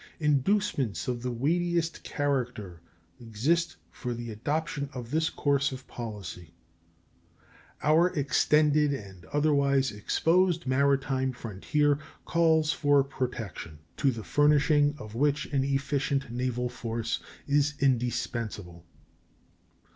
Inducements of the weightiest character exist for the adoption of this course of policy. Our extended and otherwise exposed maritime frontier calls for protection, to the furnishing of which an efficient naval force is indispensable.